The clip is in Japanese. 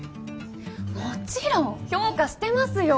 もちろん評価してますよ